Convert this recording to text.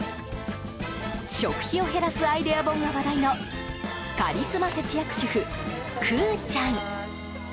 食費を減らすアイデア本が話題のカリスマ節約主婦、くぅちゃん。